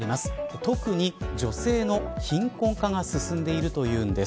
特に女性の貧困化が進んでいるというんです。